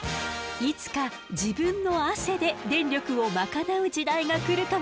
いつか自分の汗で電力を賄う時代が来るかもしれないわね。